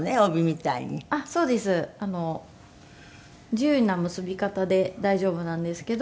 自由な結び方で大丈夫なんですけど。